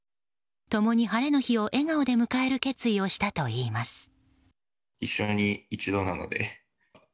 共に晴れの日を笑顔で迎える決意をしたといいます。